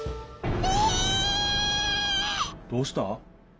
どうした？